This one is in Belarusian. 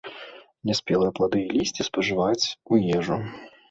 Няспелыя плады і лісце спажываць у ежу.